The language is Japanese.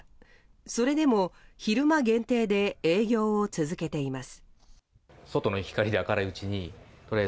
それでも昼間限定で営業を続けています。